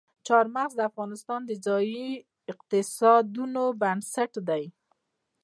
چار مغز د افغانستان د ځایي اقتصادونو بنسټ دی.